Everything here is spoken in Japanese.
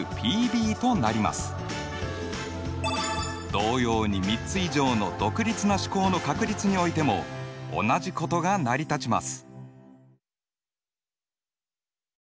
同様に３つ以上の独立な試行の確率においても同じことが成り立ちます。